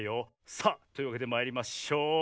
さあというわけでまいりましょう！